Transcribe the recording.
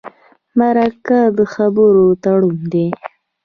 مرکه د خبرو تړون دی.